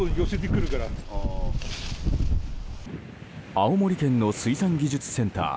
青森県の水産技術センター